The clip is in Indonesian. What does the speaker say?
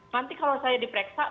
nanti kalau saya diperiksa